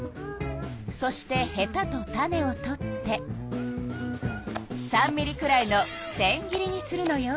そしてへたと種を取って３ミリくらいのせん切りにするのよ。